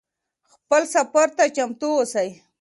خپل سفر ته چمتو اوسئ.